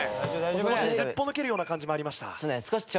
少しすっぽ抜けるような感じもありました。